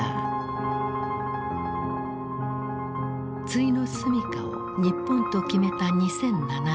終の住みかを日本と決めた２００７年。